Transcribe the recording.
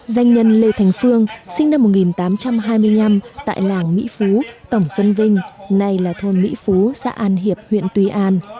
danh nhân lê thành phương sinh năm một nghìn tám trăm hai mươi năm tại làng mỹ phú tổng xuân vinh nay là thôn mỹ phú xã an hiệp huyện tuy an